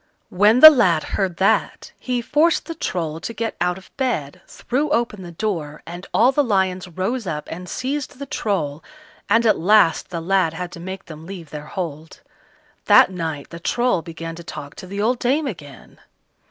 When the lad heard that, he forced the Troll to get out of bed, threw open the door, and all the lions rose up and seized the Troll, and at last the lad had to make them leave their hold. That night the Troll began to talk to the old dame again.